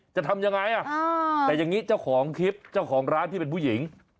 จะทำยังไงแต่อย่างนี้เจ้าของคลิปเจ้าของร้านที่เป็นผู้หญิง